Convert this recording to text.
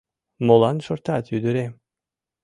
Молан шортат, ӱдырем?